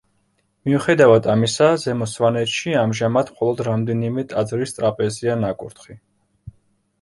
მიუხედავად ამისა, ზემო სვანეთში ამჟამად მხოლოდ რამდენიმე ტაძრის ტრაპეზია ნაკურთხი.